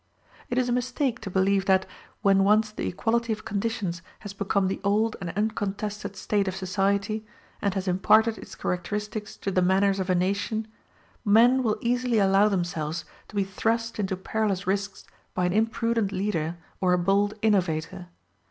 It is a mistake to believe that, when once the equality of conditions has become the old and uncontested state of society, and has imparted its characteristics to the manners of a nation, men will easily allow themselves to be thrust into perilous risks by an imprudent leader or a bold innovator.